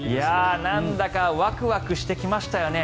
なんだかワクワクしてきましたよね。